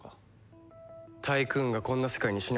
タイクーンがこんな世界にしなければな。